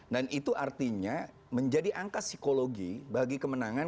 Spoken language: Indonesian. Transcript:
dan itu artinya menjadi angka psikologi bagi kemenangan